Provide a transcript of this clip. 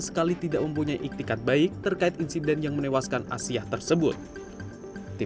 sekali tidak mempunyai iktikat baik terkait insiden yang menewaskan asyah tersebut tim